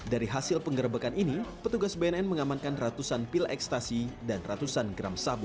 dari hasil penggerbekan ini petugas bnn mengamankan ratusan pil ekstasi dan ratusan gram sabu